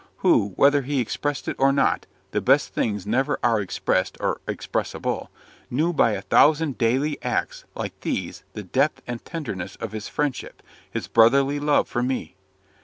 Who, whether he expressed it or not the best things never are expressed or expressible knew by a thousand little daily acts like these, the depth and tenderness of his friendship, his brotherly love for me.